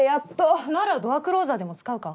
ならドアクローザーでも使うか？